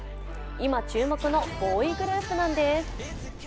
今注目のボーイグループなんです。